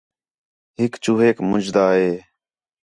ہِک چوہیک منجھدا ہِے